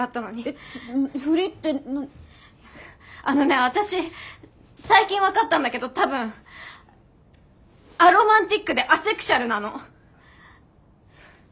あのね私最近分かったんだけど多分アロマンティックでアセクシュアルなの。